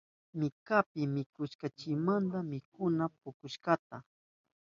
Minkapi mikushkanchimanta mikuna puchurishka.